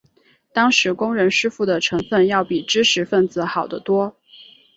当时工人师傅的成分要比知识分子好得多。